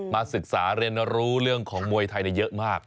ศึกษาเรียนรู้เรื่องของมวยไทยเยอะมาก